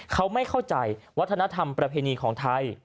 เขาไม่เข้าใจวัฒนธรรมประเพณีของไทย